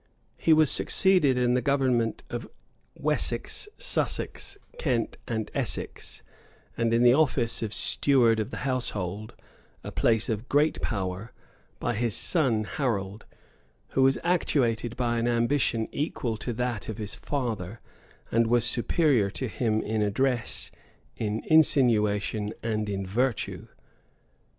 [*] He was succeeded in the government of Wessex, Sussex, Kent, and Essex, and in the office of steward of the household, a place of great power, by his son Harold, who was actuated by an ambition equal to that of his father, and was superior to him in address, in insinuation, and in virtue.